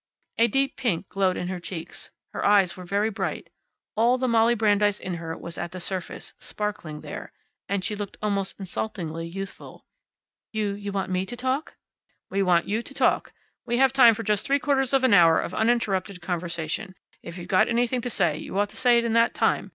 A deep pink glowed in her cheeks. Her eyes were very bright. All the Molly Brandeis in her was at the surface, sparkling there. And she looked almost insultingly youthful. "You you want me to talk?" "We want you to talk. We have time for just three quarters of an hour of uninterrupted conversation. If you've got anything to say you ought to say it in that time.